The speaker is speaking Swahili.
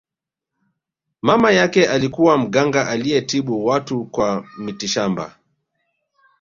mama yake alikuwa mganga aliyetibu watu kwa mitishamba